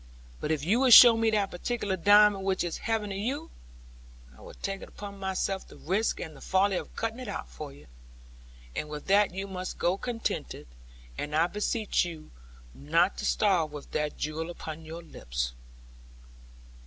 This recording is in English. But if you will show me that particular diamond which is heaven to you, I will take upon myself the risk and the folly of cutting it out for you. And with that you must go contented; and I beseech you not to starve with that jewel upon your lips.'